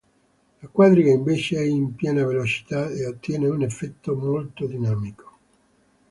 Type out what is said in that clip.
La quadriga invece è in piena velocità e ottiene un effetto molto dinamico.